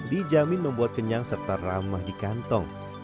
dijamin membuat kenyang serta ramah di kantong